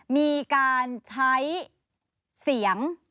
มีการใช้เสียง